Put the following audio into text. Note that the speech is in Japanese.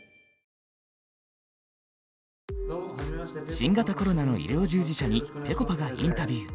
新型コロナの医療従事者にぺこぱがインタビュー。